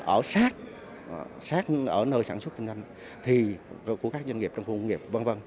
ở sát sát ở nơi sản xuất tình năng của các doanh nghiệp trong khu công nghiệp v v